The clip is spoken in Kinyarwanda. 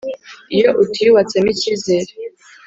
iyo utiyubatsemo icyizere